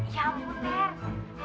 ya ampun ter